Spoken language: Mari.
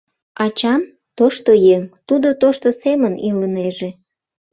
— Ачам тошто еҥ, тудо тошто семын илынеже.